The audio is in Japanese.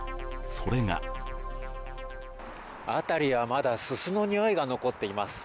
それが辺りは、まだすすの臭いが残っています。